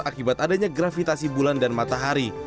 akibat adanya gravitasi bulan dan matahari